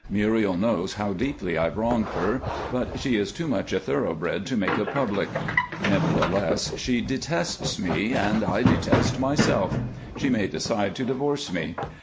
Muriel knows how deeply I've wronged her, but she is too much a thoroughbred to make it public. Nevertheless, she detests me, and I detest myself; she may decide to divorce me.